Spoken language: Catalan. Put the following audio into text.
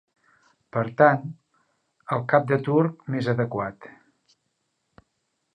Per tant, el cap de turc més adequat.